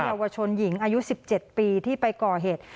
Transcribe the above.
เยาวชนหญิงอายุ๑๗ปีที่ไปก่อเหตุ